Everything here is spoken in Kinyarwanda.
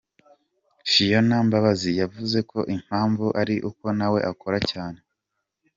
Phionah Mbabazi yavuze ko impamvu ari uko nawe akora cyane.